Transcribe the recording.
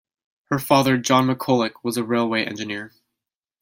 Her father, John McCulloch, was a railway engineer.